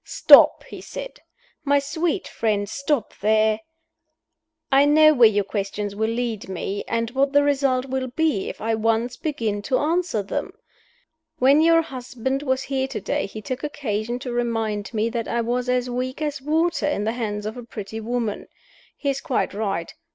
"Stop!" he said. "My sweet friend, stop there! I know where your questions will lead me, and what the result will be if I once begin to answer them. When your husband was here to day he took occasion to remind me that I was as weak as water in the hands of a pretty woman. He is quite right.